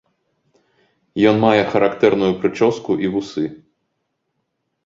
Ён мае характэрную прычоску і вусы.